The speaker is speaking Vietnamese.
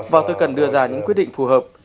và tôi cần đưa ra những quyết định phù hợp